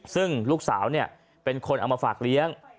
ซึ่งลูกสาวเป็นคนเอามาฝากเลี้ยง